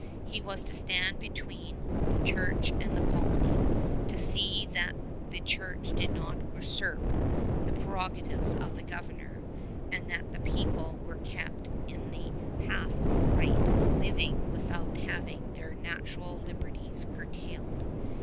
He was to stand between the Church and the colony, to see that the Church did not usurp the prerogatives of the Governor and that the people were kept in the path of right living without having their natural liberties curtailed.